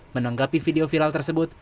menanggapi video viral tersebut